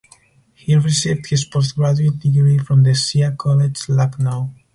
He received his post graduate degree from the Shia College Lucknow.